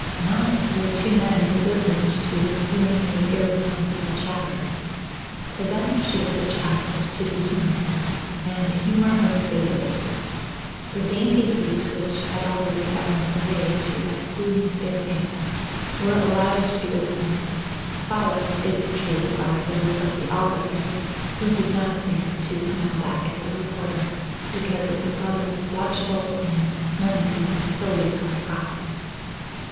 Not the two men who listened to this seemingly irresponsible chatter. To them she was a child to be humoured and humour her they did. The dainty feet which had already found their way to that gloomy staircase were allowed to ascend, followed it is true by those of the officer who did not dare to smile back at the reporter because of the brother's watchful and none too conciliatory eye.